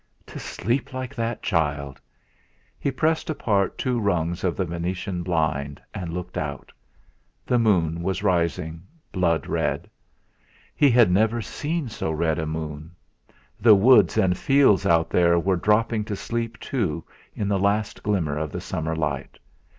To sleep like that child! He pressed apart two rungs of the venetian blind and looked out. The moon was rising, blood red. He had never seen so red a moon. The woods and fields out there were dropping to sleep too, in the last glimmer of the summer light.